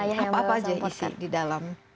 apa apa aja isi di dalam